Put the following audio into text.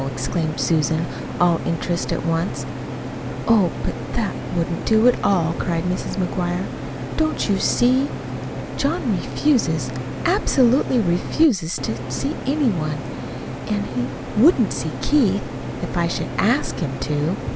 exclaimed Susan, all interest at once. "Oh, but that wouldn't do at all!" cried Mrs. McGuire. "Don't you see? John refuses, absolutely refuses, to see any one; an' he wouldn't see Keith, if I should ASK him to.